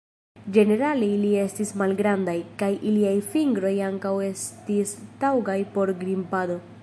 Ĝenerale ili estis malgrandaj, kaj iliaj fingroj ankaŭ estis taŭgaj por grimpado.